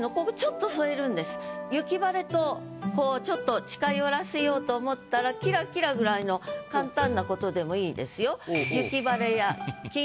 「雪晴」とこうちょっと近寄らせようと思ったら「きらきら」ぐらいの簡単なことでもいいですよ。